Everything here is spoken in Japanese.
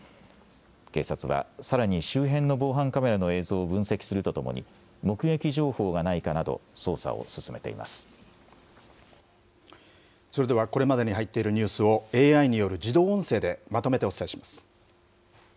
警察はさらに周辺の防犯カメラの映像を分析するとともに、目撃情報がないかなど、捜査を進めていそれでは、これまでに入っているニュースを、ＡＩによる自動音声でまとめてお伝えします。